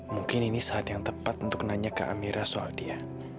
mungkin ini saat yang tepat untuk nanya ke amira soal dia